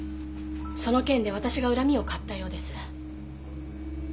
その件で私が恨みを買ったようです。